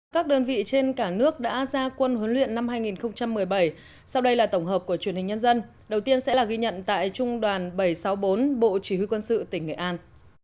các đơn vị trên cả nước đã ra quân huấn luyện năm hai nghìn một mươi bảy sau đây là tổng hợp của truyền hình nhân dân đầu tiên sẽ là ghi nhận tại trung đoàn bảy trăm sáu mươi bốn bộ chỉ huy quân sự tỉnh nghệ an